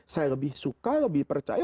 saya lebih suka lebih percaya